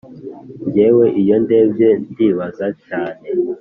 Ngewe iyo ndebye ndibaza cyane